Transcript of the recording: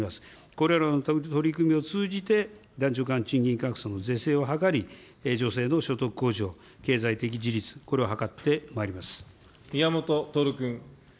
これらの取り組みを通じて男女間賃金格差の是正を図り、女性の所得向上、経済的自立、宮本徹君。